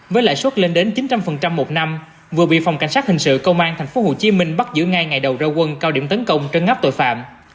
với lãi suất lên đến chín trăm linh một năm vừa bị phòng cảnh sát hình sự công an tp hcm bắt giữ ngay ngày đầu ra quân cao điểm tấn công trân ngắp tội phạm